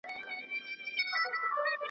چي ماښام سو غم نازل د آس بېلتون سو .